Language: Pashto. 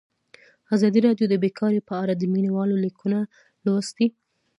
ازادي راډیو د بیکاري په اړه د مینه والو لیکونه لوستي.